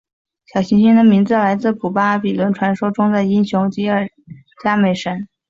小行星的名字来自古巴比伦传说中的英雄吉尔伽美什。